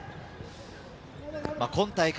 今大会